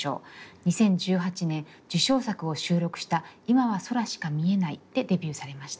２０１８年受賞作を収録した「いまは、空しか見えない」でデビューされました。